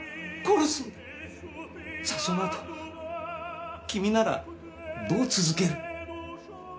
さあその後君ならどう続ける？